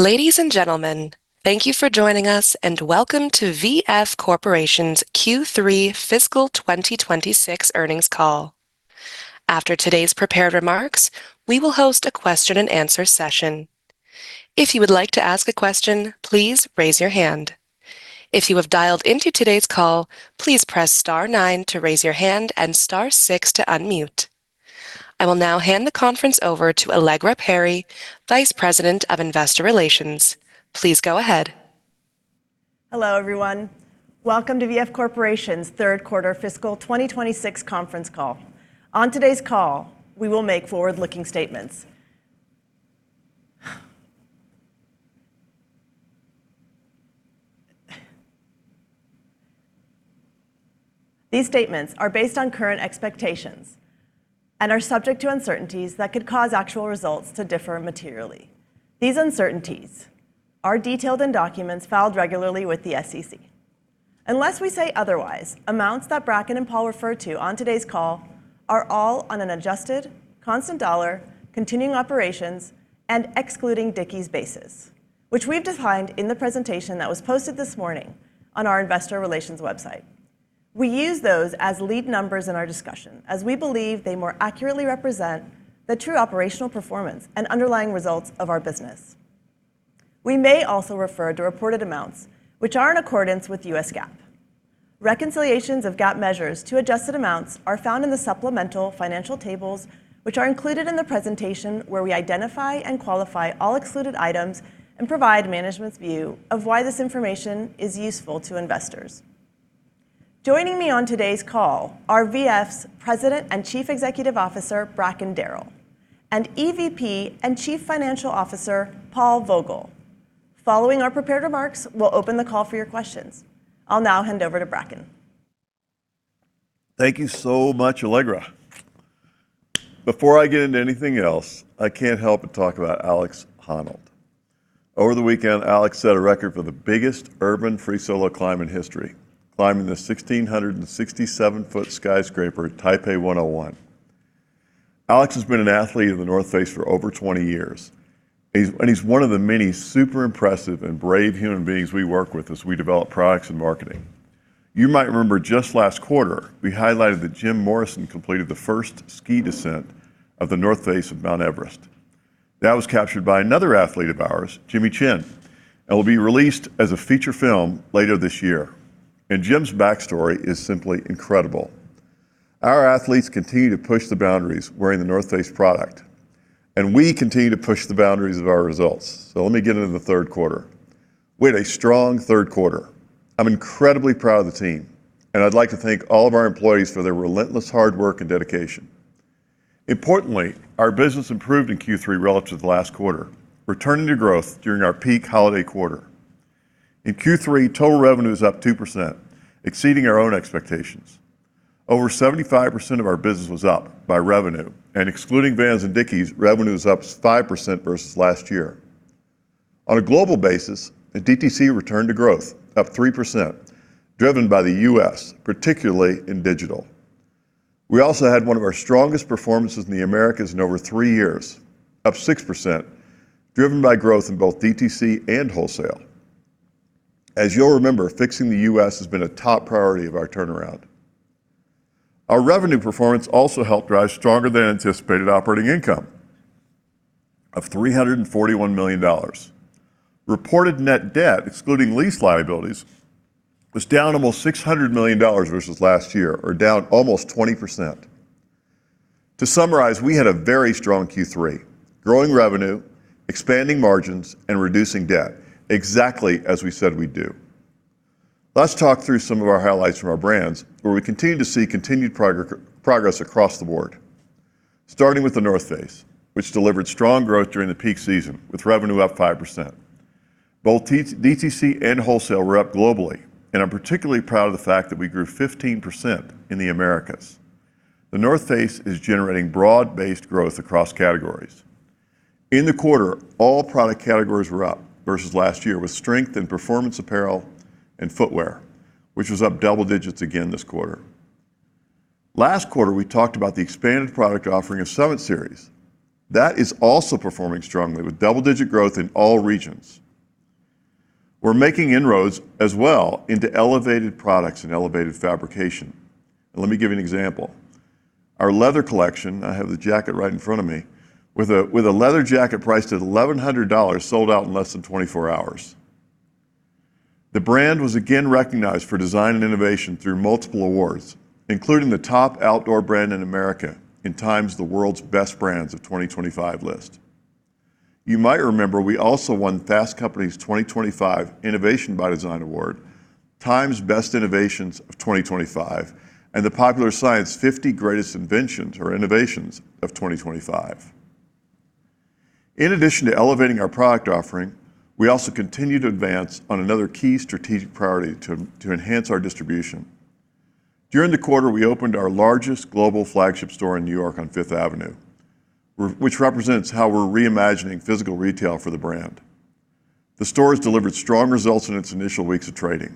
Ladies and gentlemen, thank you for joining us, and welcome to VF Corporation's Q3 fiscal 2026 earnings call. After today's prepared remarks, we will host a question and answer session. If you would like to ask a question, please raise your hand. If you have dialed into today's call, please press star nine to raise your hand and star six to unmute. I will now hand the conference over to Allegra Perry, Vice President of Investor Relations. Please go ahead. Hello, everyone. Welcome to VF Corporation's third quarter fiscal 2026 conference call. On today's call, we will make forward-looking statements. These statements are based on current expectations and are subject to uncertainties that could cause actual results to differ materially. These uncertainties are detailed in documents filed regularly with the SEC. Unless we say otherwise, amounts that Bracken and Paul refer to on today's call are all on an adjusted, constant dollar, continuing operations, and excluding Dickies basis, which we've defined in the presentation that was posted this morning on our investor relations website. We use those as lead numbers in our discussion, as we believe they more accurately represent the true operational performance and underlying results of our business. We may also refer to reported amounts which are in accordance with U.S. GAAP. Reconciliations of GAAP measures to adjusted amounts are found in the supplemental financial tables, which are included in the presentation, where we identify and qualify all excluded items and provide management's view of why this information is useful to investors. Joining me on today's call are VF's President and Chief Executive Officer, Bracken Darrell, and EVP and Chief Financial Officer, Paul Vogel. Following our prepared remarks, we'll open the call for your questions. I'll now hand over to Bracken. Thank you so much, Allegra. Before I get into anything else, I can't help but talk about Alex Honnold. Over the weekend, Alex set a record for the biggest urban free solo climb in history, climbing the 1,667-foot skyscraper, Taipei 101. Alex has been an athlete of The North Face for over 20 years. He's and he's one of the many super impressive and brave human beings we work with as we develop products and marketing. You might remember just last quarter, we highlighted that Jim Morrison completed the first ski descent of the North Face of Mount Everest. That was captured by another athlete of ours, Jimmy Chin, and will be released as a feature film later this year, and Jim's backstory is simply incredible. Our athletes continue to push the boundaries wearing The North Face product, and we continue to push the boundaries of our results. So let me get into the third quarter. We had a strong third quarter. I'm incredibly proud of the team, and I'd like to thank all of our employees for their relentless hard work and dedication. Importantly, our business improved in Q3 relative to the last quarter, returning to growth during our peak holiday quarter. In Q3, total revenue was up 2%, exceeding our own expectations. Over 75% of our business was up by revenue, and excluding Vans and Dickies, revenue was up 5% versus last year. On a global basis, the DTC returned to growth, up 3%, driven by the U.S., particularly in digital. We also had one of our strongest performances in the Americas in over three years, up 6%, driven by growth in both DTC and wholesale. As you'll remember, fixing the U.S. has been a top priority of our turnaround. Our revenue performance also helped drive stronger than anticipated operating income of $341 million. Reported net debt, excluding lease liabilities, was down almost $600 million versus last year, or down almost 20%. To summarize, we had a very strong Q3, growing revenue, expanding margins, and reducing debt, exactly as we said we'd do. Let's talk through some of our highlights from our brands, where we continue to see continued progress across the board. Starting with The North Face, which delivered strong growth during the peak season, with revenue up 5%. Both DTC and wholesale were up globally, and I'm particularly proud of the fact that we grew 15% in the Americas. The North Face is generating broad-based growth across categories. In the quarter, all product categories were up versus last year, with strength in performance apparel and footwear, which was up double digits again this quarter. Last quarter, we talked about the expanded product offering of Summit Series. That is also performing strongly, with double-digit growth in all regions. We're making inroads as well into elevated products and elevated fabrication. Let me give you an example. Our leather collection, I have the jacket right in front of me, with a leather jacket priced at $1,100, sold out in less than 24 hours. The brand was again recognized for design and innovation through multiple awards, including the top outdoor brand in America in Time's The World's Best Brands of 2025 list. You might remember we also won Fast Company's 2025 Innovation by Design award, Time's Best Innovations of 2025, and the Popular Science 50 Greatest Inventions or Innovations of 2025. In addition to elevating our product offering, we also continue to advance on another key strategic priority to enhance our distribution. During the quarter, we opened our largest global flagship store in New York on Fifth Avenue, which represents how we're reimagining physical retail for the brand. The store has delivered strong results in its initial weeks of trading.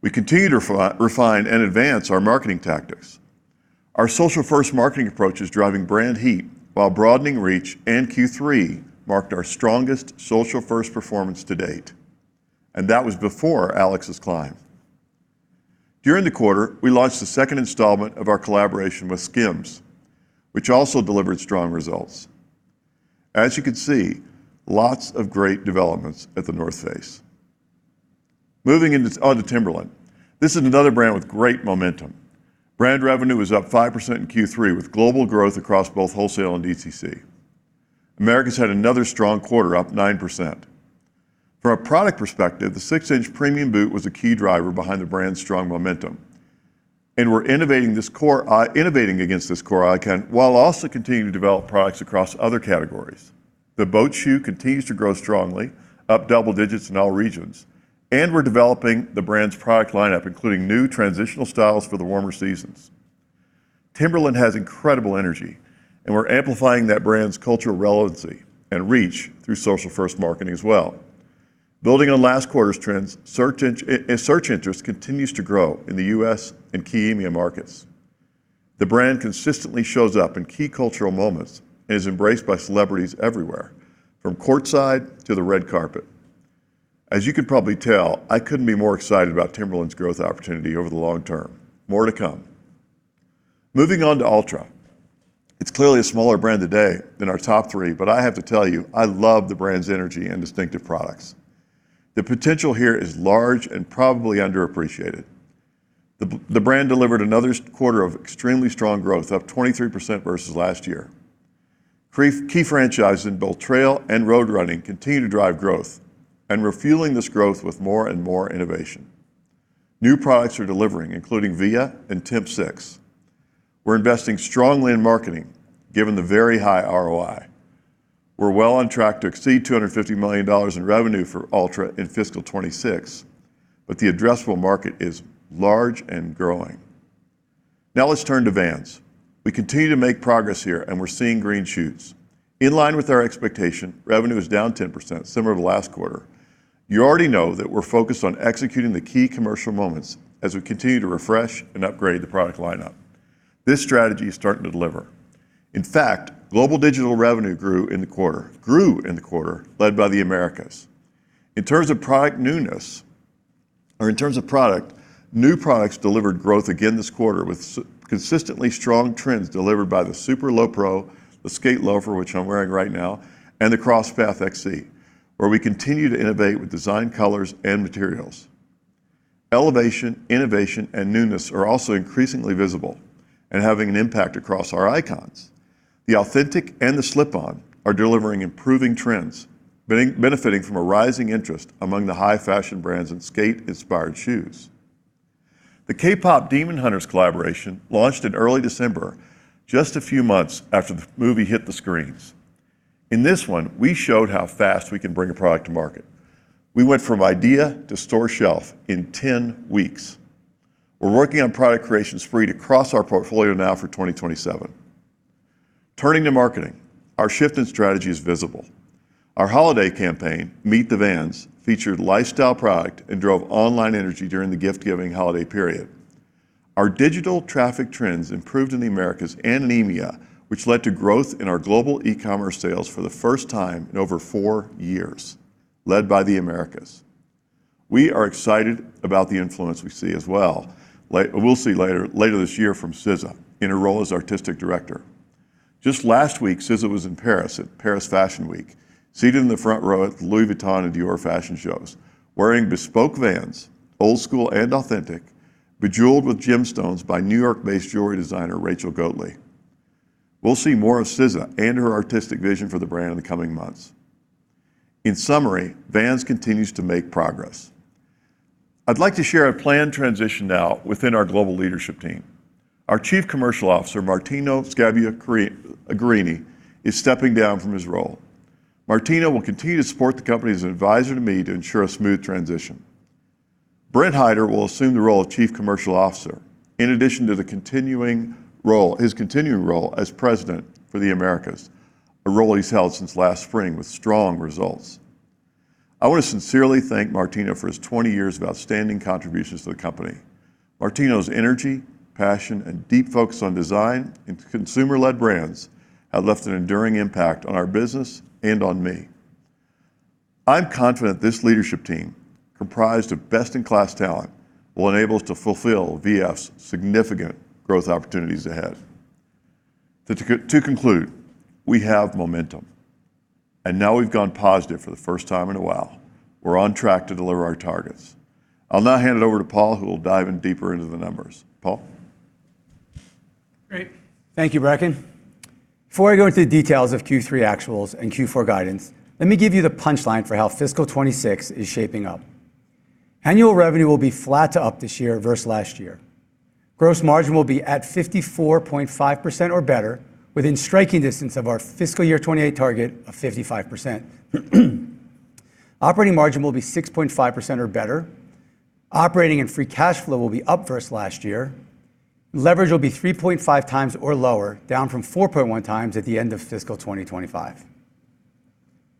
We continue to refine and advance our marketing tactics. Our social-first marketing approach is driving brand heat while broadening reach, and Q3 marked our strongest social-first performance to date, and that was before Alex's climb. During the quarter, we launched the second installment of our collaboration with Skims, which also delivered strong results. As you can see, lots of great developments at The North Face. Moving on to Timberland. This is another brand with great momentum. Brand revenue is up 5% in Q3, with global growth across both wholesale and DTC. Americas had another strong quarter, up 9%. From a product perspective, the 6-Inch Premium Boot was a key driver behind the brand's strong momentum, and we're innovating against this core icon, while also continuing to develop products across other categories. The boat shoe continues to grow strongly, up double digits in all regions, and we're developing the brand's product lineup, including new transitional styles for the warmer seasons. Timberland has incredible energy, and we're amplifying that brand's cultural relevancy and reach through social-first marketing as well. Building on last quarter's trends, search engine and search interest continues to grow in the U.S. and key EMEA markets. The brand consistently shows up in key cultural moments and is embraced by celebrities everywhere, from courtside to the red carpet. As you can probably tell, I couldn't be more excited about Timberland's growth opportunity over the long term. More to come. Moving on to Altra. It's clearly a smaller brand today than our top three, but I have to tell you, I love the brand's energy and distinctive products. The potential here is large and probably underappreciated. The brand delivered another quarter of extremely strong growth, up 23% versus last year. Key franchises in both trail and road running continue to drive growth, and we're fueling this growth with more and more innovation. New products are delivering, including Via and Timp 6. We're investing strongly in marketing, given the very high ROI. We're well on track to exceed $250 million in revenue for Altra in fiscal 2026, but the addressable market is large and growing. Now, let's turn to Vans. We continue to make progress here, and we're seeing green shoots. In line with our expectation, revenue is down 10%, similar to last quarter. You already know that we're focused on executing the key commercial moments as we continue to refresh and upgrade the product lineup. This strategy is starting to deliver. In fact, global digital revenue grew in the quarter, grew in the quarter, led by the Americas. In terms of product newness, or in terms of product, new products delivered growth again this quarter, with consistently strong trends delivered by the Super Lowpro, the Skate Loafer, which I'm wearing right now, and the Crosspath XC, where we continue to innovate with design, colors, and materials. Elevation, innovation, and newness are also increasingly visible and having an impact across our icons. The Authentic and the Slip-On are delivering improving trends, benefiting from a rising interest among the high-fashion brands and skate-inspired shoes. The K-pop Demon Hunters collaboration launched in early December, just a few months after the movie hit the screens. In this one, we showed how fast we can bring a product to market. We went from idea to store shelf in 10 weeks. We're working on product creation spread across our portfolio now for 2027. Turning to marketing, our shift in strategy is visible. Our holiday campaign, Meet the Vans, featured lifestyle product and drove online energy during the gift-giving holiday period. Our digital traffic trends improved in the Americas and EMEA, which led to growth in our global e-commerce sales for the first time in over four years, led by the Americas. We are excited about the influence we see as well. We'll see later this year from SZA in her role as artistic director. Just last week, SZA was in Paris at Paris Fashion Week, seated in the front row at the Louis Vuitton and Dior fashion shows, wearing bespoke Vans Old Skool and Authentic, bejeweled with gemstones by New York-based jewelry designer Rachel Goatley. We'll see more of SZA and her artistic vision for the brand in the coming months. In summary, Vans continues to make progress. I'd like to share a planned transition now within our global leadership team. Our Chief Commercial Officer, Martino Scabbia Guerrini, is stepping down from his role. Martino will continue to support the company as an advisor to me to ensure a smooth transition. Brent Hyder will assume the role of Chief Commercial Officer, in addition to his continuing role as President for the Americas, a role he's held since last spring with strong results. I want to sincerely thank Martino for his 20 years of outstanding contributions to the company. Martino's energy, passion, and deep focus on design and consumer-led brands have left an enduring impact on our business and on me. I'm confident this leadership team, comprised of best-in-class talent, will enable us to fulfill VF's significant growth opportunities ahead. To conclude, we have momentum, and now we've gone positive for the first time in a while. We're on track to deliver our targets. I'll now hand it over to Paul, who will dive in deeper into the numbers. Paul? Great. Thank you, Bracken. Before I go into the details of Q3 actuals and Q4 guidance, let me give you the punchline for how fiscal 2026 is shaping up. Annual revenue will be flat to up this year versus last year. Gross margin will be at 54.5% or better, within striking distance of our fiscal year 2028 target of 55%. Operating margin will be 6.5% or better. Operating and free cash flow will be up versus last year. Leverage will be 3.5x or lower, down from 4.1x at the end of fiscal 2025.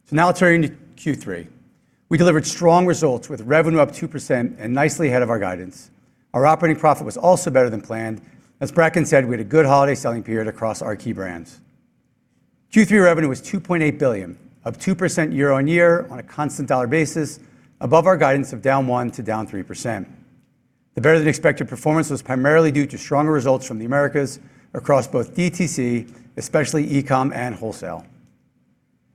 So now turning to Q3. We delivered strong results with revenue up 2% and nicely ahead of our guidance. Our operating profit was also better than planned. As Bracken said, we had a good holiday selling period across our key brands. Q3 revenue was $2.8 billion, up 2% year-over-year on a constant dollar basis, above our guidance of down 1%-3%. The better-than-expected performance was primarily due to stronger results from the Americas across both DTC, especially e-com and wholesale.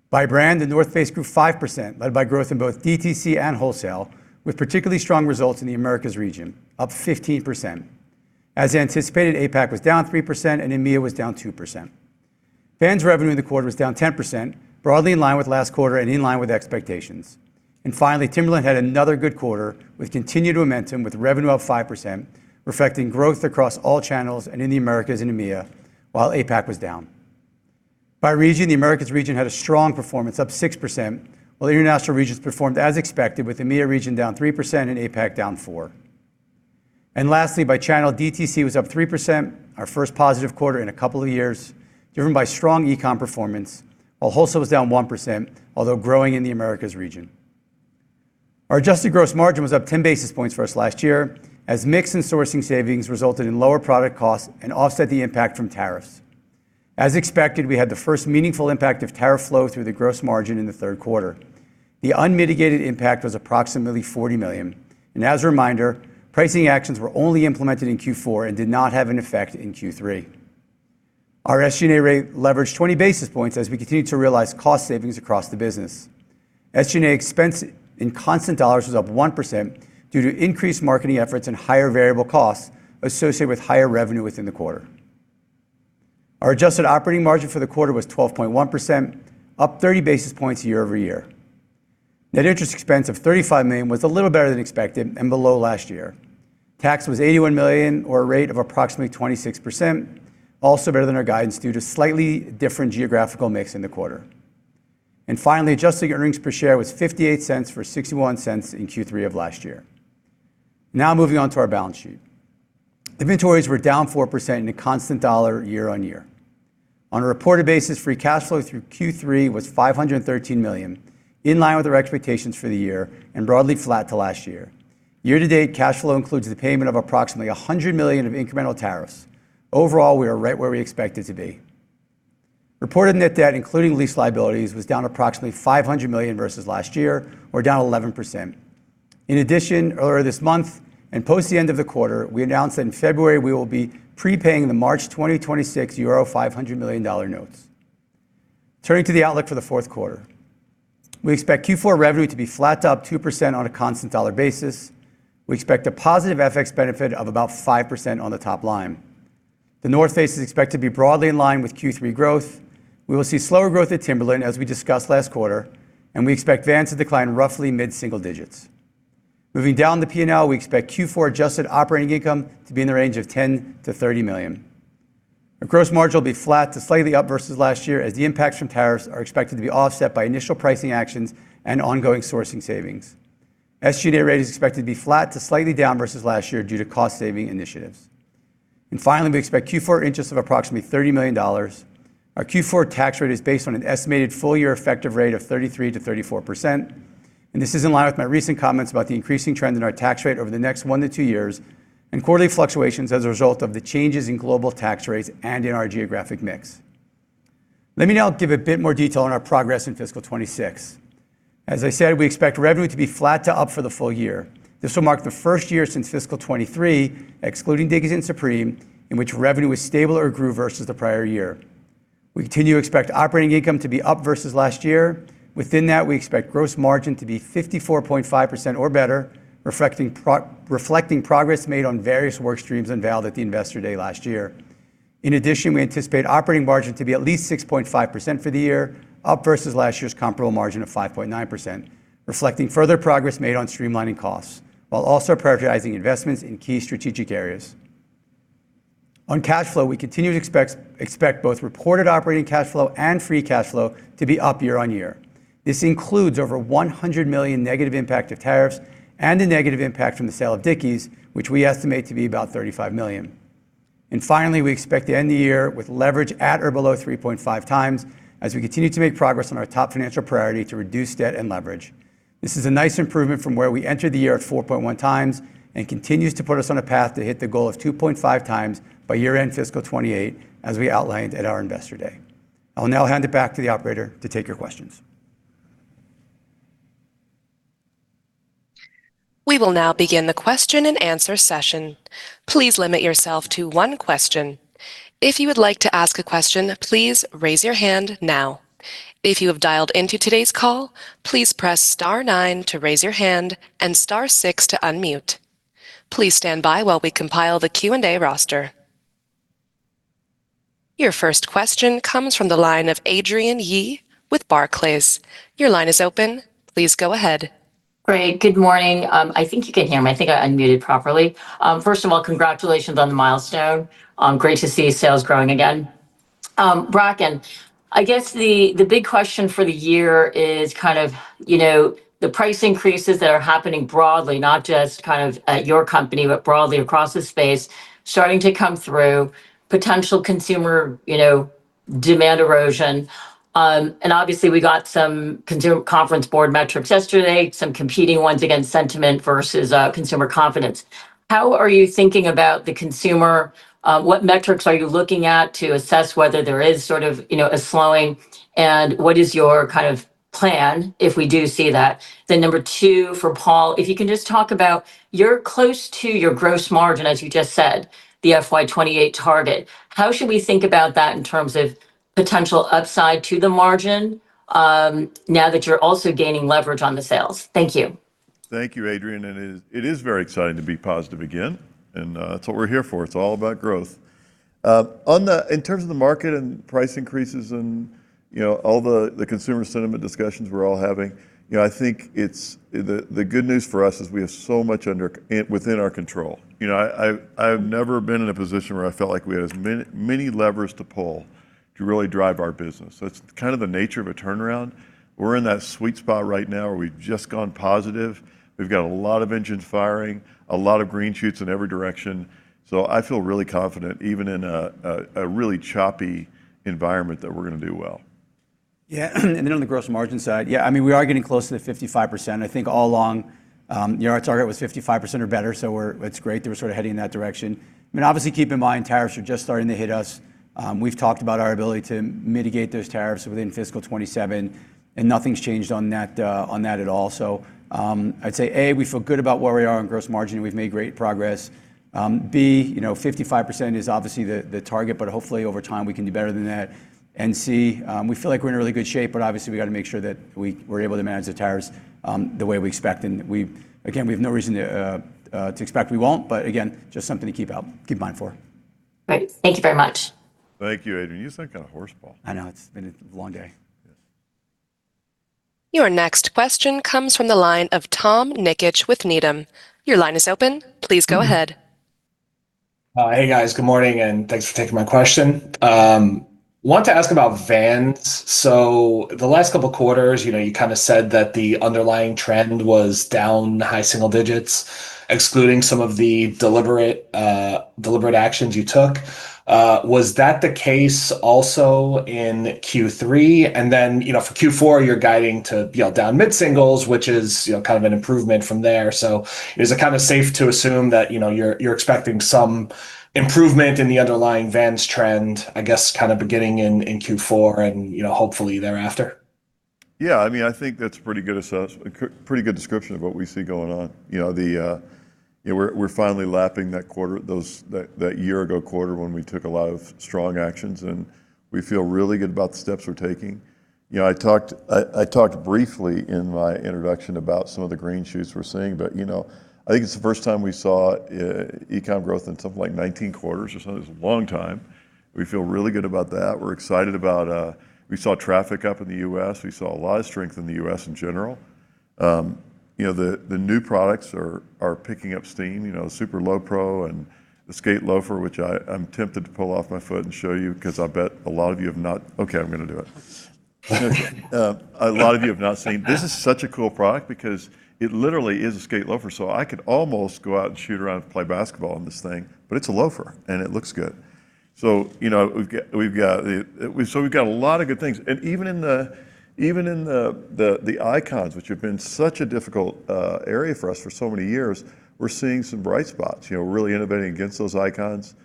By brand, The North Face grew 5%, led by growth in both DTC and wholesale, with particularly strong results in the Americas region, up 15%. As anticipated, APAC was down 3%, and EMEA was down 2%. Vans revenue in the quarter was down 10%, broadly in line with last quarter and in line with expectations. And finally, Timberland had another good quarter, with continued momentum, with revenue up 5%, reflecting growth across all channels and in the Americas and EMEA, while APAC was down. By region, the Americas region had a strong performance, up 6%, while the international regions performed as expected, with the EMEA region down 3% and APAC down 4%. Lastly, by channel, DTC was up 3%, our first positive quarter in a couple of years, driven by strong e-com performance, while wholesale was down 1%, although growing in the Americas region. Our adjusted gross margin was up 10 basis points versus last year, as mix and sourcing savings resulted in lower product costs and offset the impact from tariffs. As expected, we had the first meaningful impact of tariff flow through the gross margin in the third quarter. The unmitigated impact was approximately $40 million, and as a reminder, pricing actions were only implemented in Q4 and did not have an effect in Q3. Our SG&A rate leveraged 20 basis points as we continued to realize cost savings across the business. SG&A expense in constant dollars was up 1% due to increased marketing efforts and higher variable costs associated with higher revenue within the quarter. Our adjusted operating margin for the quarter was 12.1%, up 30 basis points year-over-year. Net interest expense of $35 million was a little better than expected and below last year. Tax was $81 million, or a rate of approximately 26%, also better than our guidance, due to slightly different geographical mix in the quarter. And finally, adjusted earnings per share was $0.58 for $0.61 in Q3 of last year. Now moving on to our balance sheet. Inventories were down 4% in a constant-dollar year-on-year. On a reported basis, free cash flow through Q3 was $513 million, in line with our expectations for the year and broadly flat to last year. Year-to-date cash flow includes the payment of approximately $100 million of incremental tariffs. Overall, we are right where we expected to be. Reported net debt, including lease liabilities, was down approximately $500 million versus last year, or down 11%. In addition, earlier this month, and post the end of the quarter, we announced that in February, we will be prepaying the March 2026 EUR 500 million notes. Turning to the outlook for the fourth quarter, we expect Q4 revenue to be flat to up 2% on a constant dollar basis. We expect a positive FX benefit of about 5% on the top line. The North Face is expected to be broadly in line with Q3 growth. We will see slower growth at Timberland, as we discussed last quarter, and we expect Vans to decline roughly mid-single digits. Moving down the P&L, we expect Q4 adjusted operating income to be in the range of $10 million-$30 million. Our gross margin will be flat to slightly up versus last year, as the impacts from tariffs are expected to be offset by initial pricing actions and ongoing sourcing savings. SG&A rate is expected to be flat to slightly down versus last year due to cost-saving initiatives. Finally, we expect Q4 interest of approximately $30 million. Our Q4 tax rate is based on an estimated full-year effective rate of 33%-34%, and this is in line with my recent comments about the increasing trend in our tax rate over the next one to two years and quarterly fluctuations as a result of the changes in global tax rates and in our geographic mix. Let me now give a bit more detail on our progress in fiscal 2026. As I said, we expect revenue to be flat to up for the full year. This will mark the first year since fiscal 2023, excluding Dickies and Supreme, in which revenue was stable or grew versus the prior year. We continue to expect operating income to be up versus last year. Within that, we expect gross margin to be 54.5% or better, reflecting progress made on various work streams unveiled at the Investor Day last year. In addition, we anticipate operating margin to be at least 6.5% for the year, up versus last year's comparable margin of 5.9%, reflecting further progress made on streamlining costs, while also prioritizing investments in key strategic areas. On cash flow, we continue to expect both reported operating cash flow and free cash flow to be up year-over-year. This includes over $100 million negative impact of tariffs and a negative impact from the sale of Dickies, which we estimate to be about $35 million. Finally, we expect to end the year with leverage at or below 3.5x, as we continue to make progress on our top financial priority to reduce debt and leverage. This is a nice improvement from where we entered the year at 4.1x and continues to put us on a path to hit the goal of 2.5x by year-end fiscal 2028, as we outlined at our Investor Day. I'll now hand it back to the operator to take your questions. We will now begin the question-and-answer session. Please limit yourself to one question. If you would like to ask a question, please raise your hand now. If you have dialed into today's call, please press star nine to raise your hand and star six to unmute. Please stand by while we compile the Q&A roster. Your first question comes from the line of Adrienne Yih with Barclays. Your line is open. Please go ahead. Great. Good morning. I think you can hear me. I think I unmuted properly. First of all, congratulations on the milestone. Great to see sales growing again. Bracken, I guess the, the big question for the year is kind of, you know, the price increases that are happening broadly, not just kind of at your company, but broadly across the space, starting to come through, potential consumer, you know demand erosion. And obviously, we got some Conference Board metrics yesterday, some competing ones against sentiment versus, consumer confidence. How are you thinking about the consumer? What metrics are you looking at to assess whether there is sort of, you know, a slowing? And what is your kind of plan if we do see that? Then number two, for Paul, if you can just talk about you're close to your gross margin, as you just said, the FY 2028 target. How should we think about that in terms of potential upside to the margin, now that you're also gaining leverage on the sales? Thank you. Thank you, Adrienne, and it is very exciting to be positive again, and that's what we're here for. It's all about growth. In terms of the market and price increases and, you know, all the consumer sentiment discussions we're all having, you know, I think the good news for us is we have so much within our control. You know, I've never been in a position where I felt like we had as many levers to pull to really drive our business. So it's kind of the nature of a turnaround. We're in that sweet spot right now where we've just gone positive. We've got a lot of engines firing, a lot of green shoots in every direction, so I feel really confident, even in a really choppy environment, that we're gonna do well. Yeah, and then on the gross margin side, yeah, I mean, we are getting close to the 55%. I think all along, you know, our target was 55% or better, so it's great that we're sort of heading in that direction. I mean, obviously, keep in mind, tariffs are just starting to hit us. We've talked about our ability to mitigate those tariffs within fiscal 2027, and nothing's changed on that at all. So, I'd say, A, we feel good about where we are on gross margin, and we've made great progress. B, you know, 55% is obviously the target, but hopefully, over time, we can do better than that. And C, we feel like we're in really good shape, but obviously, we've got to make sure that we're able to manage the tariffs the way we expect, and we... Again, we have no reason to expect we won't, but again, just something to keep in mind for. Great. Thank you very much. Thank you, Adrienne. You sound kind of hoarse, Paul. I know. It's been a long day. Your next question comes from the line of Tom Nikic with Needham. Your line is open. Please go ahead. Hey, guys. Good morning, and thanks for taking my question. Wanted to ask about Vans. So the last couple of quarters, you know, you kind of said that the underlying trend was down high single digits, excluding some of the deliberate, deliberate actions you took. Was that the case also in Q3? And then, you know, for Q4, you're guiding to, you know, down mid-singles, which is, you know, kind of an improvement from there. So is it kind of safe to assume that, you know, you're expecting some improvement in the underlying Vans trend, I guess, kind of beginning in Q4 and, you know, hopefully thereafter? Yeah, I mean, I think that's a pretty good assessment, a pretty good description of what we see going on. You know, yeah, we're finally lapping that year-ago quarter when we took a lot of strong actions, and we feel really good about the steps we're taking. You know, I talked briefly in my introduction about some of the green shoots we're seeing, but, you know, I think it's the first time we saw e-com growth in something like 19 quarters or something. It's a long time. We feel really good about that. We're excited about. We saw traffic up in the U.S. We saw a lot of strength in the U.S. in general. You know, the new products are picking up steam, you know, the Super Lowpro and the Skate Loafer, which I'm tempted to pull off my foot and show you because I bet a lot of you have not seen. Okay, I'm gonna do it. A lot of you have not seen. This is such a cool product because it literally is a skate loafer, so I could almost go out and shoot around and play basketball in this thing, but it's a loafer, and it looks good. So you know, we've got a lot of good things. And even in the icons, which have been such a difficult area for us for so many years, we're seeing some bright spots. You know, we're really innovating against those icons.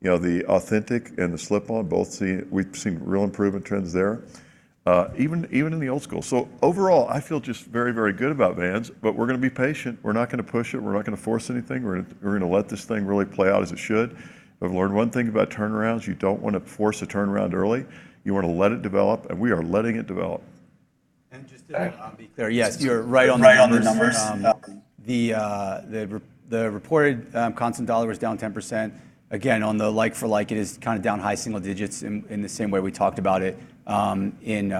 You know, the Authentic and the Slip-On both seeing, we've seen real improvement trends there, even, even in the Old Skool. So overall, I feel just very, very good about Vans, but we're gonna be patient. We're not gonna push it. We're not gonna force anything. We're gonna, we're gonna let this thing really play out as it should. I've learned one thing about turnarounds: You don't want to force a turnaround early. You want to let it develop, and we are letting it develop. Just to be clear, yes, you're right on the numbers. Right on the numbers. The reported constant dollar was down 10%. Again, on the like for like, it is kind of down high single digits in the same way we talked about it in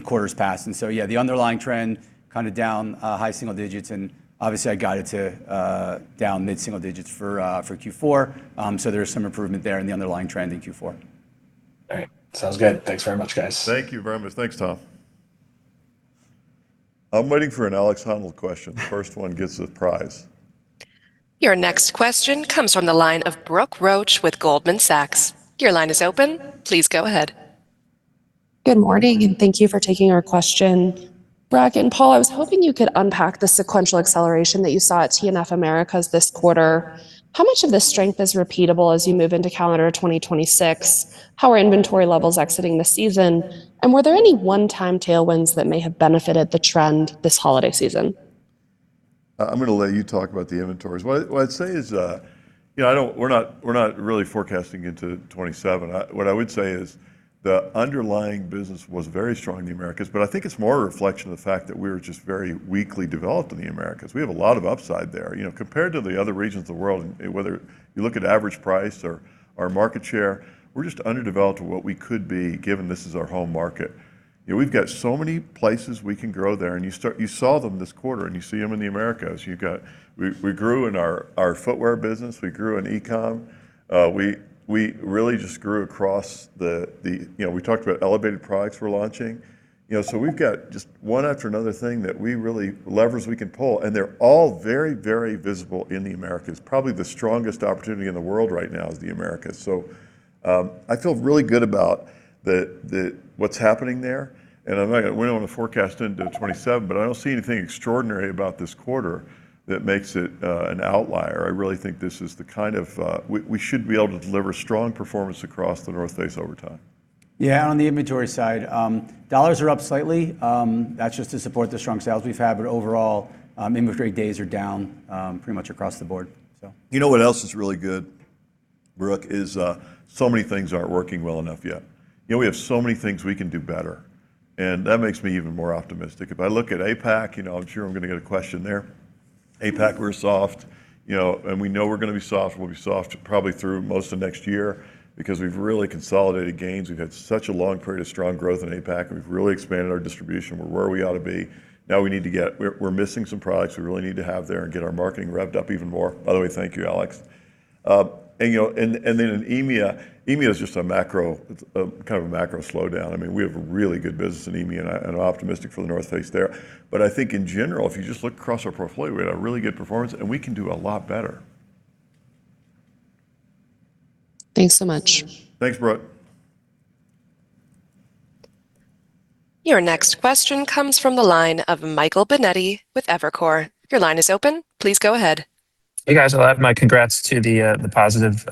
quarters past. And so, yeah, the underlying trend, kind of down high single digits, and obviously, I got it to down mid-single digits for Q4. So there's some improvement there in the underlying trend in Q4. All right. Sounds good. Thanks very much, guys. Thank you very much. Thanks, Tom. I'm waiting for an Alex Honnold question. The first one gets a prize. Your next question comes from the line of Brooke Roach with Goldman Sachs. Your line is open. Please go ahead. Good morning, and thank you for taking our question. Bracken and Paul, I was hoping you could unpack the sequential acceleration that you saw at TNF Americas this quarter. How much of this strength is repeatable as you move into calendar 2026? How are inventory levels exiting the season? And were there any one-time tailwinds that may have benefited the trend this holiday season? I'm gonna let you talk about the inventories. What I'd say is, you know, we're not really forecasting into 2027. What I would say is the underlying business was very strong in the Americas, but I think it's more a reflection of the fact that we were just very weakly developed in the Americas. We have a lot of upside there. You know, compared to the other regions of the world, whether you look at average price or market share, we're just underdeveloped to what we could be, given this is our home market. You know, we've got so many places we can grow there, and you saw them this quarter, and you see them in the Americas. We, we grew in our, our footwear business. We grew in e-com. We really just grew across the... You know, we talked about elevated products we're launching. You know, so we've got just one after another thing that we really levers we can pull, and they're all very, very visible in the Americas. Probably the strongest opportunity in the world right now is the Americas, so I feel really good about the what's happening there, and I'm not going to want to forecast into 2027, but I don't see anything extraordinary about this quarter that makes it an outlier. I really think this is the kind... We should be able to deliver strong performance across The North Face over time. Yeah, on the inventory side, dollars are up slightly. That's just to support the strong sales we've had, but overall, inventory days are down pretty much across the board, so. You know what else is really good, Brooke, is so many things aren't working well enough yet. You know, we have so many things we can do better, and that makes me even more optimistic. If I look at APAC, you know, I'm sure I'm gonna get a question there. APAC, we're soft, you know, and we know we're gonna be soft, and we'll be soft probably through most of next year because we've really consolidated gains. We've had such a long period of strong growth in APAC. We've really expanded our distribution. We're where we ought to be. Now we need to get... We're missing some products we really need to have there and get our marketing revved up even more. By the way, thank you, Alex. And, you know, and then in EMEA, EMEA is just a macro, a kind of a macro slowdown. I mean, we have a really good business in EMEA, and I'm optimistic for The North Face there. But I think in general, if you just look across our portfolio, we had a really good performance, and we can do a lot better. Thanks so much. Thanks, Brooke. Your next question comes from the line of Michael Binetti with Evercore. Your line is open. Please go ahead. Hey, guys. I'll add my congrats to the positive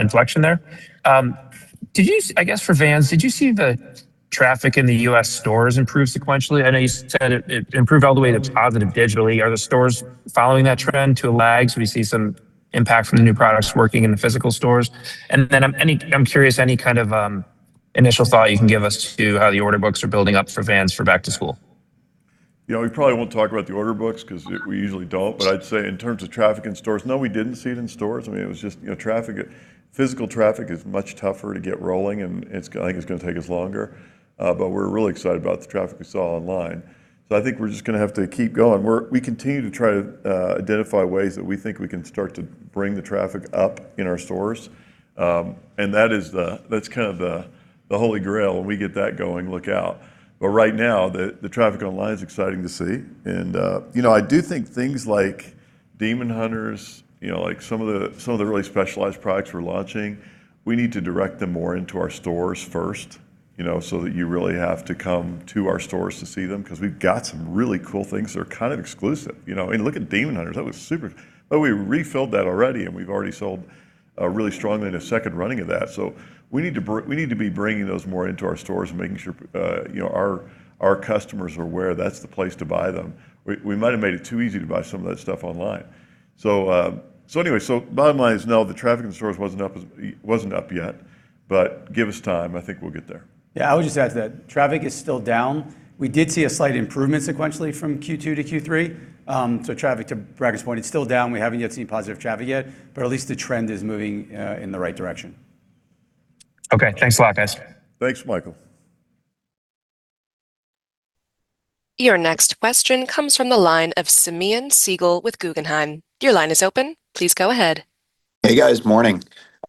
inflection there. I guess for Vans, did you see the traffic in the U.S. stores improve sequentially? I know you said it improved all the way to positive digitally. Are the stores following that trend to a lag? So we see some impact from the new products working in the physical stores. And then, I'm curious, any kind of initial thought you can give us to how the order books are building up for Vans for back to school? You know, we probably won't talk about the order books 'cause we usually don't. But I'd say in terms of traffic in stores, no, we didn't see it in stores. I mean, it was just, you know, traffic, physical traffic is much tougher to get rolling, and I think it's gonna take us longer, but we're really excited about the traffic we saw online. So I think we're just gonna have to keep going. We continue to try to identify ways that we think we can start to bring the traffic up in our stores. And that's kind of the holy grail. When we get that going, look out. But right now, the traffic online is exciting to see. You know, I do think things like Demon Hunters, you know, like some of the really specialized products we're launching. We need to direct them more into our stores first, you know, so that you really have to come to our stores to see them, 'cause we've got some really cool things that are kind of exclusive, you know. I mean, look at Demon Hunters. That was super. But we refilled that already, and we've already sold really strongly in a second running of that. So we need to be bringing those more into our stores and making sure, you know, our customers are aware that's the place to buy them. We might have made it too easy to buy some of that stuff online. So, anyway, bottom line is, no, the traffic in the stores wasn't up yet, but give us time. I think we'll get there. Yeah, I would just add to that. Traffic is still down. We did see a slight improvement sequentially from Q2 to Q3. So traffic, to Bracken's point, it's still down. We haven't yet seen positive traffic yet, but at least the trend is moving in the right direction. Okay, thanks a lot, guys. Thanks, Michael. Your next question comes from the line of Simeon Siegel with Guggenheim. Your line is open. Please go ahead. Hey, guys. Morning.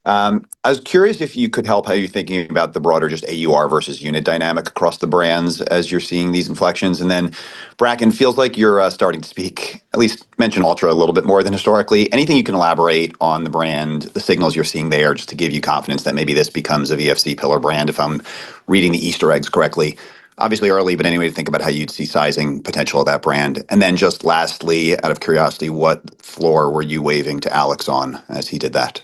I was curious if you could help, how you're thinking about the broader just AUR versus unit dynamic across the brands as you're seeing these inflections? And then, Bracken, feels like you're starting to speak, at least mention Altra a little bit more than historically. Anything you can elaborate on the brand, the signals you're seeing there, just to give you confidence that maybe this becomes a VFC pillar brand, if I'm reading the Easter eggs correctly? Obviously early, but any way to think about how you'd see sizing potential of that brand. And then just lastly, out of curiosity, what floor were you waving to Alex on as he did that?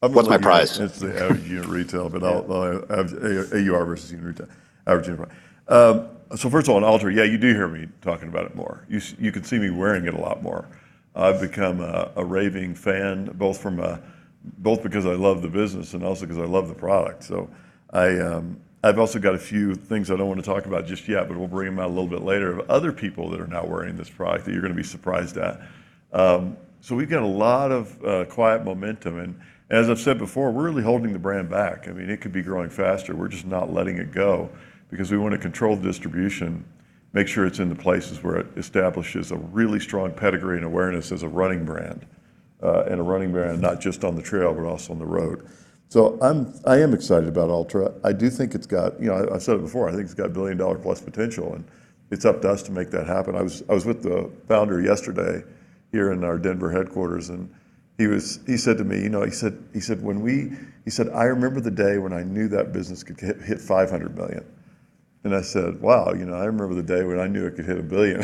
What's my prize? It's the average unit retail, but AUR versus unit retail, average unit. So first of all, on Altra, yeah, you do hear me talking about it more. You, you can see me wearing it a lot more. I've become a raving fan, both because I love the business and also because I love the product. So I, I've also got a few things I don't want to talk about just yet, but we'll bring them out a little bit later, of other people that are now wearing this product that you're gonna be surprised at. So we've got a lot of quiet momentum, and as I've said before, we're really holding the brand back. I mean, it could be growing faster. We're just not letting it go because we want to control the distribution, make sure it's in the places where it establishes a really strong pedigree and awareness as a running brand, and a running brand not just on the trail but also on the road. So I am excited about Altra. I do think it's got... You know, I, I've said it before, I think it's got a billion-dollar-plus potential, and it's up to us to make that happen. I was with the founder yesterday here in our Denver headquarters, and he said to me, you know, he said, "When we..." He said, "I remember the day when I knew that business could hit $500 million." And I said, "Wow, you know, I remember the day when I knew it could hit $1 billion."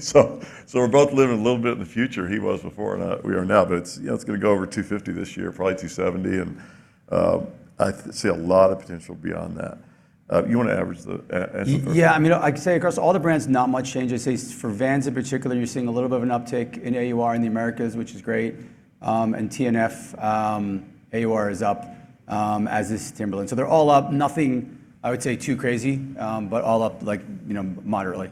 So we're both living a little bit in the future. He was before, and we are now. But it's, you know, it's gonna go over $250 million this year, probably $270 million, and I see a lot of potential beyond that. You want to average the answer first? Yeah, I mean, I'd say across all the brands, not much change. I'd say for Vans in particular, you're seeing a little bit of an uptick in AUR in the Americas, which is great. And TNF, AUR is up, as is Timberland. So they're all up. Nothing, I would say, too crazy, but all up like, you know, moderately.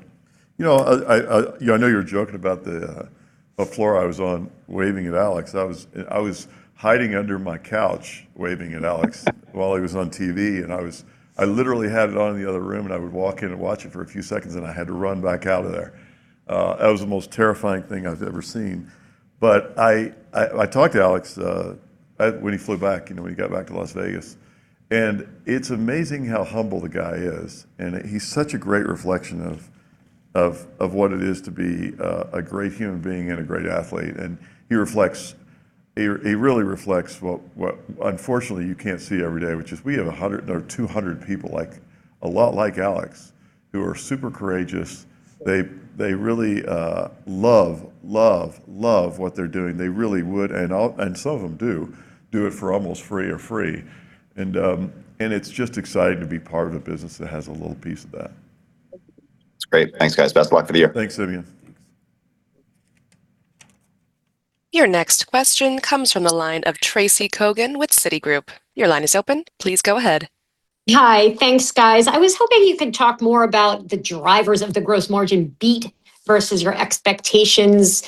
You know, you know, I know you were joking about the what floor I was on, waving at Alex. I was hiding under my couch, waving at Alex while he was on TV, and I literally had it on in the other room, and I would walk in and watch it for a few seconds, and I had to run back out of there. That was the most terrifying thing I've ever seen. But I talked to Alex when he flew back, you know, when he got back to Las Vegas, and it's amazing how humble the guy is, and he's such a great reflection of what it is to be a great human being and a great athlete. He reflects what unfortunately you can't see every day, which is we have 100 or 200 people, like, a lot like Alex, who are super courageous. They really love, love, love what they're doing. They really would, and some of them do it for almost free or free. And it's just exciting to be part of a business that has a little piece of that. It's great. Thanks, guys. Best of luck for the year. Thanks, Simeon. Your next question comes from the line of Tracy Kogan with Citigroup. Your line is open. Please go ahead. Hi. Thanks, guys. I was hoping you could talk more about the drivers of the gross margin beat versus your expectations,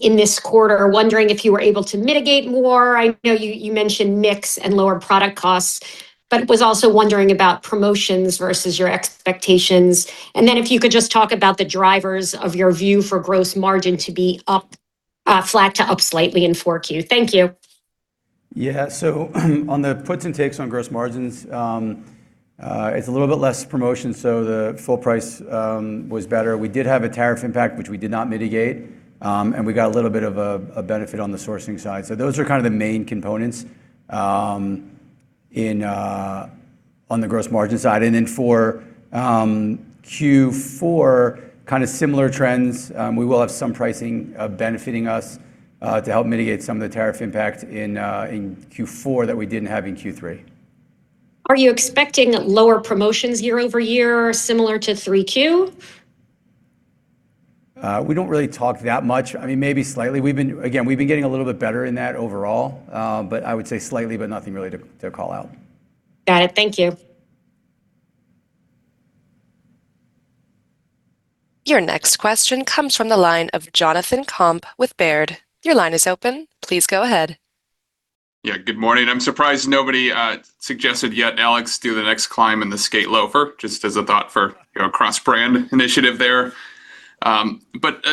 in this quarter. Wondering if you were able to mitigate more. I know you, you mentioned mix and lower product costs, but was also wondering about promotions versus your expectations. And then if you could just talk about the drivers of your view for gross margin to be up, flat to up slightly in 4Q. Thank you. Yeah. So on the puts and takes on gross margins, it's a little bit less promotion, so the full price was better. We did have a tariff impact, which we did not mitigate, and we got a little bit of a benefit on the sourcing side. So those are kind of the main components in on the gross margin side. And then for Q4, kind of similar trends, we will have some pricing benefiting us to help mitigate some of the tariff impact in in Q4 that we didn't have in Q3. Are you expecting lower promotions year-over-year, similar to Q3? We don't really talk that much. I mean, maybe slightly. We've been. Again, we've been getting a little bit better in that overall, but I would say slightly, but nothing really to call out. Got it. Thank you. Your next question comes from the line of Jonathan Komp with Baird. Your line is open. Please go ahead. Yeah, good morning. I'm surprised nobody suggested yet, Alex, do the next climb in the Skate Loafer, just as a thought for, you know, cross-brand initiative there. But,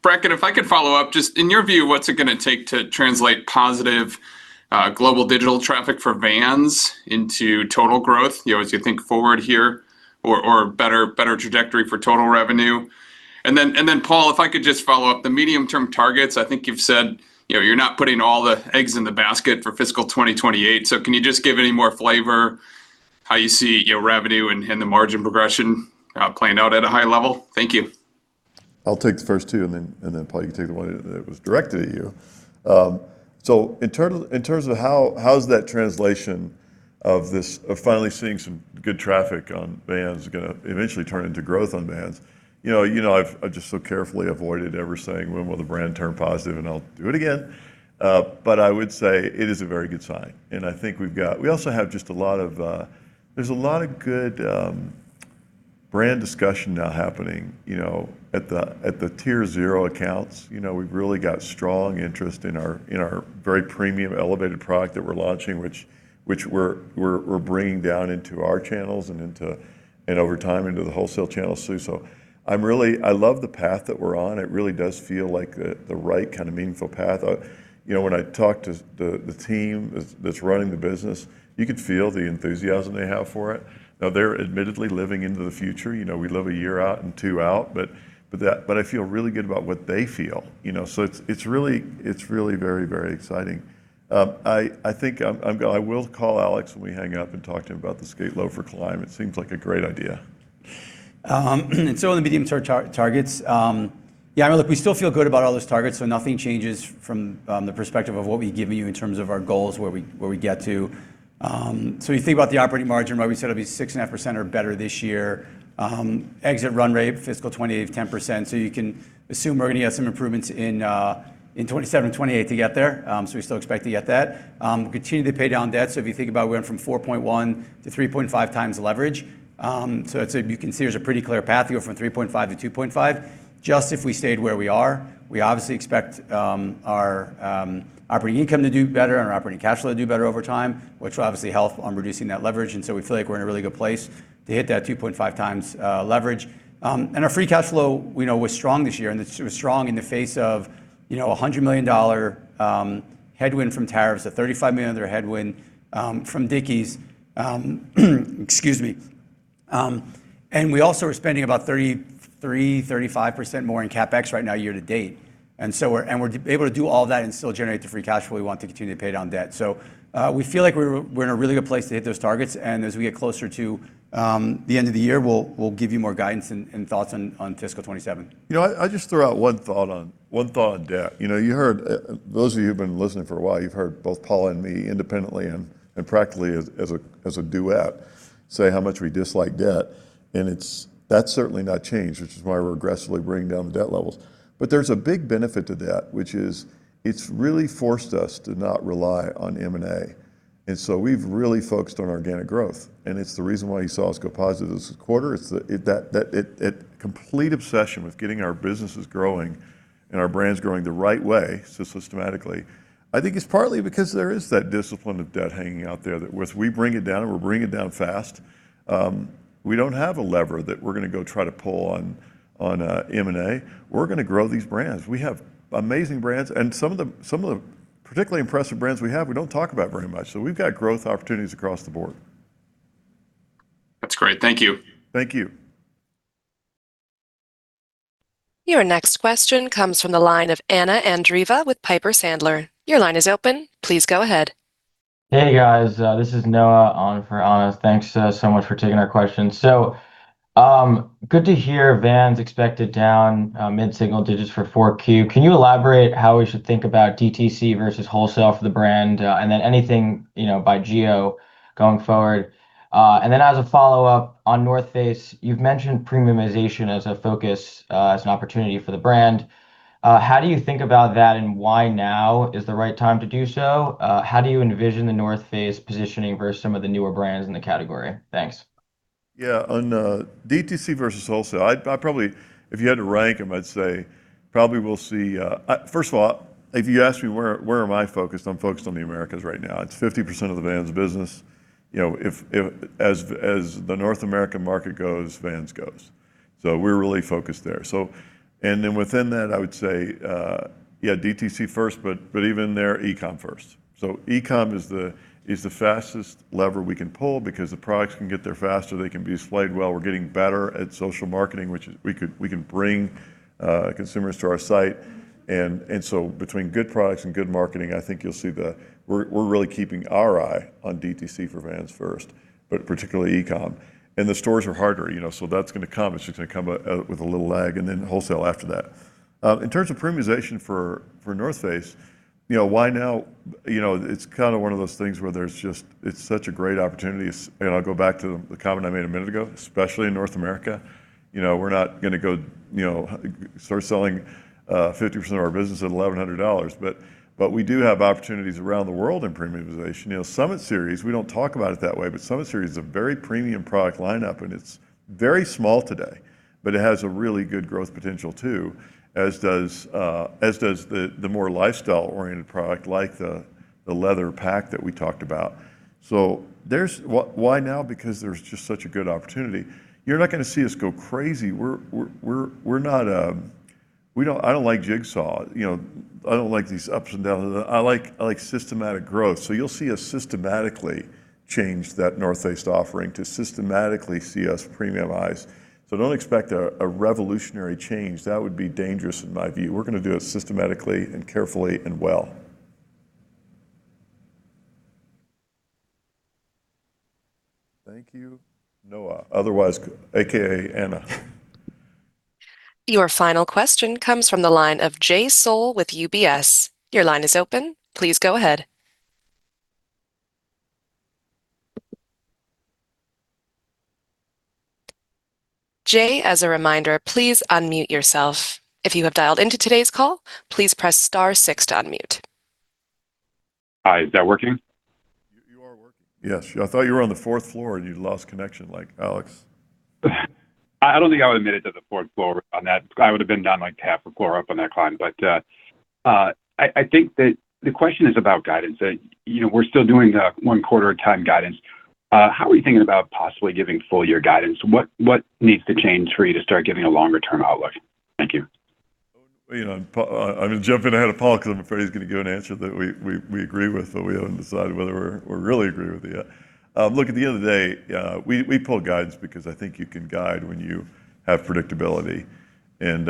Bracken, if I could follow up, just in your view, what's it gonna take to translate positive global digital traffic for Vans into total growth, you know, as you think forward here, or, or better, better trajectory for total revenue? And then, and then, Paul, if I could just follow up, the medium-term targets, I think you've said, you know, you're not putting all the eggs in the basket for fiscal 2028. So can you just give any more flavor, how you see your revenue and, and the margin progression playing out at a high level? Thank you. I'll take the first two, and then Paul, you can take the one that was directed at you. So in terms of how is that translation of this of finally seeing some good traffic on Vans gonna eventually turn into growth on Vans? You know, I've just so carefully avoided ever saying when will the brand turn positive, and I'll do it again. But I would say it is a very good sign, and I think we've got... We also have just a lot of... There's a lot of good brand discussion now happening, you know, at the Tier Zero accounts. You know, we've really got strong interest in our very premium, elevated product that we're launching, which we're bringing down into our channels and, over time, into the wholesale channels, too. So I'm really. I love the path that we're on. It really does feel like the right kind of meaningful path. You know, when I talk to the team that's running the business, you could feel the enthusiasm they have for it. Now, they're admittedly living into the future. You know, we live a year out and two out, but that—but I feel really good about what they feel, you know? So it's really very exciting. I think I will call Alex when we hang up and talk to him about the skate loafer climb. It seems like a great idea. So in the medium-term targets, yeah, look, we still feel good about all those targets, so nothing changes from the perspective of what we've given you in terms of our goals, where we get to. So you think about the operating margin, where we said it'd be 6.5% or better this year, exit run rate, fiscal 2028, 10%. So you can assume we're gonna get some improvements in 2027 and 2028 to get there. So we still expect to get that. We continue to pay down debt, so if you think about, we went from 4.1x to 3.5x leverage. So you can see there's a pretty clear path. You go from 3.5x to 2.5x, just if we stayed where we are. We obviously expect our operating income to do better and our operating cash flow to do better over time, which will obviously help on reducing that leverage. And so we feel like we're in a really good place to hit that 2.5x leverage. And our free cash flow, we know, was strong this year, and it's strong in the face of, you know, a $100 million headwind from tariffs, a $35 million headwind from Dickies. Excuse me. And we also are spending about 35% more in CapEx right now, year to date. And so we're able to do all that and still generate the free cash flow we want to continue to pay down debt. So, we feel like we're in a really good place to hit those targets, and as we get closer to the end of the year, we'll give you more guidance and thoughts on fiscal 2027. You know what? I'll just throw out one thought on, one thought on debt. You know, you heard, Those of you who've been listening for a while, you've heard both Paul and me independently and, and practically as, as a, as a duet, say how much we dislike debt, and it's- that's certainly not changed, which is why we're aggressively bringing down the debt levels. But there's a big benefit to debt, which is it's really forced us to not rely on M&A, and so we've really focused on organic growth, and it's the reason why you saw us go positive this quarter. It's the complete obsession with getting our businesses growing and our brands growing the right way, so systematically. I think it's partly because there is that discipline of debt hanging out there, that once we bring it down, and we're bringing it down fast, we don't have a lever that we're gonna go try to pull on M&A. We're gonna grow these brands. We have amazing brands, and some of the, some of the particularly impressive brands we have, we don't talk about very much. So we've got growth opportunities across the board. That's great. Thank you. Thank you. Your next question comes from the line of Anna Andreeva with Piper Sandler. Your line is open. Please go ahead. Hey, guys. This is Noah on for Anna. Thanks, so much for taking our question. So, good to hear Vans expected down, mid-single digits for four Q. Can you elaborate how we should think about DTC versus wholesale for the brand, and then anything, you know, by geo going forward? And then as a follow-up, on North Face, you've mentioned premiumization as a focus, as an opportunity for the brand. How do you think about that, and why now is the right time to do so? How do you envision the North Face positioning versus some of the newer brands in the category? Thanks. Yeah, on DTC versus wholesale, I'd probably... If you had to rank them, I'd say probably we'll see. First of all, if you ask me where am I focused, I'm focused on the Americas right now. It's 50% of the Vans business. You know, as the North American market goes, Vans goes, so we're really focused there. So, and then within that, I would say yeah, DTC first, but even there, e-com first. So e-com is the fastest lever we can pull because the products can get there faster. They can be displayed well. We're getting better at social marketing, we can bring consumers to our site. So between good products and good marketing, I think you'll see we're really keeping our eye on DTC for Vans first, but particularly e-com. And the stores are harder, you know, so that's gonna come. It's just gonna come with a little lag and then wholesale after that. In terms of premiumization for North Face, you know, why now? You know, it's kind of one of those things where there's just it's such a great opportunity. And I'll go back to the comment I made a minute ago, especially in North America. You know, we're not gonna go, you know, start selling 50% of our business at $1,100, but we do have opportunities around the world in premiumization. You know, Summit Series, we don't talk about it that way, but Summit Series is a very premium product lineup, and it's very small today, but it has a really good growth potential, too, as does the more lifestyle-oriented product, like the leather pack that we talked about. So there's... Why now? Because there's just such a good opportunity. You're not gonna see us go crazy. We're not. I don't like jigsaw. You know, I don't like these ups and downs. I like systematic growth. So you'll see us systematically change that North Face offering to systematically see us premiumize. So don't expect a revolutionary change. That would be dangerous in my view. We're gonna do it systematically and carefully and well. Thank you, Noah. Operator, take another. Your final question comes from the line of Jay Sole with UBS. Your line is open. Please go ahead. Jay, as a reminder, please unmute yourself. If you have dialed into today's call, please press star six to unmute. Hi, is that working? Yes. I thought you were on the fourth floor, and you lost connection like Alex. I don't think I would admit it to the fourth floor on that. I would've been down, like, half a floor up on that climb. But I think that the question is about guidance. You know, we're still doing the one quarter at a time guidance. How are you thinking about possibly giving full year guidance? What needs to change for you to start giving a longer-term outlook? Thank you. You know, I'm gonna jump in ahead of Paul because I'm afraid he's gonna give an answer that we agree with, but we haven't decided whether we really agree with it yet. Look, at the end of the day, we pull guides because I think you can guide when you have predictability, and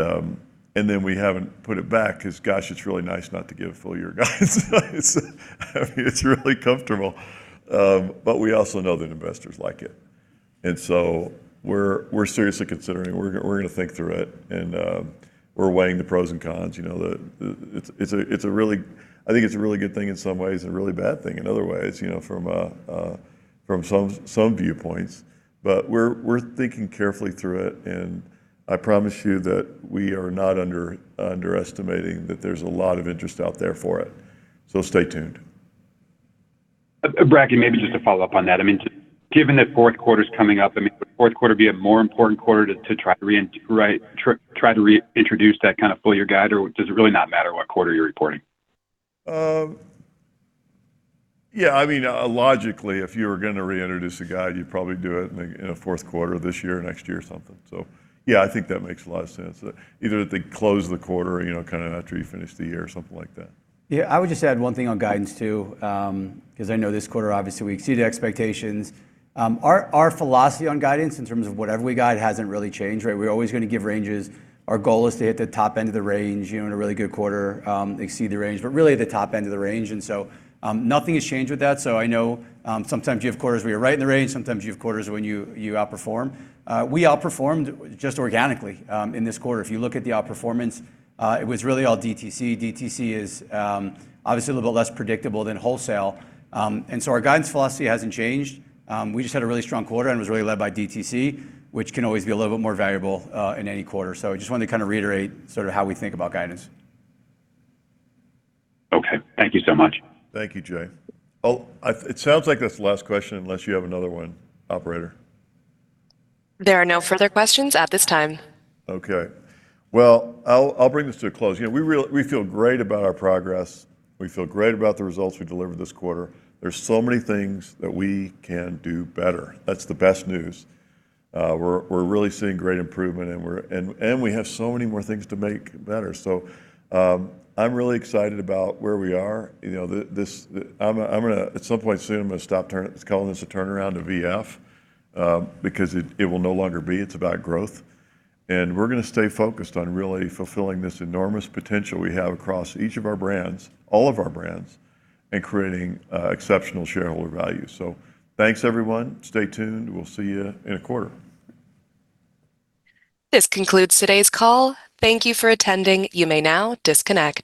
then we haven't put it back because, gosh, it's really nice not to give full year guidance. It's, I mean, it's really comfortable, but we also know that investors like it, and so we're seriously considering it. We're gonna think through it, and we're weighing the pros and cons. You know, it's a really—I think it's a really good thing in some ways and a really bad thing in other ways, you know, from some viewpoints. But we're thinking carefully through it, and I promise you that we are not underestimating that there's a lot of interest out there for it, so stay tuned. Bracken, maybe just to follow up on that, I mean, just given that fourth quarter's coming up, I mean, would fourth quarter be a more important quarter to try to reintroduce that kind of full year guide, or does it really not matter what quarter you're reporting? Yeah, I mean, logically, if you were gonna reintroduce a guide, you'd probably do it in the, in a fourth quarter this year or next year or something. So yeah, I think that makes a lot of sense, either at the close of the quarter, you know, kind of after you finish the year or something like that. Yeah, I would just add one thing on guidance, too, because I know this quarter, obviously, we exceeded expectations. Our philosophy on guidance in terms of whatever we guide hasn't really changed, right? We're always gonna give ranges. Our goal is to hit the top end of the range, you know, in a really good quarter, exceed the range, but really at the top end of the range, and so, nothing has changed with that. So I know, sometimes you have quarters where you're right in the range, sometimes you have quarters when you outperform. We outperformed just organically in this quarter. If you look at the outperformance, it was really all DTC. DTC is, obviously, a little bit less predictable than wholesale. And so our guidance philosophy hasn't changed. We just had a really strong quarter and was really led by DTC, which can always be a little bit more valuable, in any quarter. So I just wanted to kind of reiterate sort of how we think about guidance. Okay. Thank you so much. Thank you, Jay. Oh, it sounds like that's the last question, unless you have another one, operator. There are no further questions at this time. Okay. Well, I'll bring this to a close. You know, we really feel great about our progress. We feel great about the results we delivered this quarter. There's so many things that we can do better. That's the best news. We're really seeing great improvement, and we have so many more things to make better. So, I'm really excited about where we are. You know, I'm gonna, at some point soon, stop calling this a turnaround to VF, because it will no longer be. It's about growth, and we're gonna stay focused on really fulfilling this enormous potential we have across each of our brands, all of our brands, and creating exceptional shareholder value. So thanks, everyone. Stay tuned. We'll see you in a quarter. This concludes today's call. Thank you for attending. You may now disconnect.